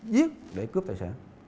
giết để cướp tài sản